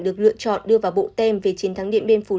được lựa chọn đưa vào bộ tem về chiến thắng điện biên phủ